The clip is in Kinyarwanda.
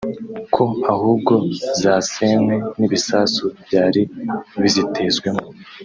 ko ahubwo zasenywe n’ibisasu byari bizitezwemo